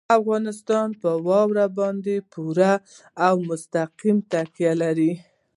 افغانستان په واوره باندې پوره او مستقیمه تکیه لري.